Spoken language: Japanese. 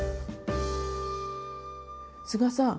須賀さん